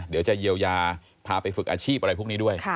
เดี๋ยวจะเยียวยาพาไปฝึกอาชีพอะไรพวกนี้ด้วย